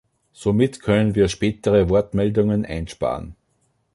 Somit können wir spätere Wortmeldungen einsparen.